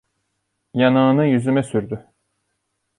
Yanağını yüzüme sürdü.